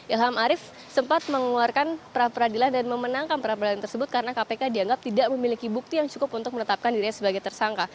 ilham arief sempat mengeluarkan pra peradilan dan memenangkan peradilan tersebut karena kpk dianggap tidak memiliki bukti yang cukup untuk menetapkan dirinya sebagai tersangka